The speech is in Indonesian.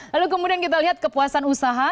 lalu kemudian kita lihat kepuasan usaha